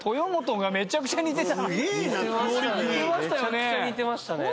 めちゃくちゃ似てましたね。